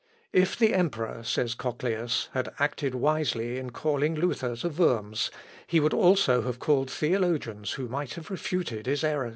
"If the emperor," says Cochlœus, "had acted wisely in calling Luther to Worms, he would also have called theologians who might have refuted his errors."